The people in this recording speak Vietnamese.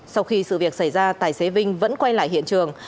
sau khi sự việc xảy ra tài xế vinh vẫn quay lại hiện trường